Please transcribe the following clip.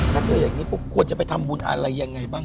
ถ้าเจออย่างนี้ปุ๊บควรจะไปทำบุญอะไรยังไงบ้าง